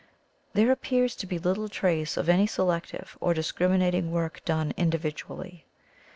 There ap pears to be little trace of any selective or discriminating work done individually.